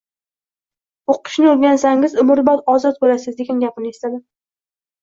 «O‘qishni o‘rgansangiz, umrbod ozod bo‘lasiz» degan gapini esladim.